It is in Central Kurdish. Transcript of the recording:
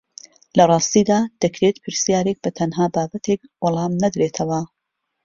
لە ڕاستیدا دەکرێت پرسیارێک بە تەنها بابەتێک وەڵام نەدرێتەوە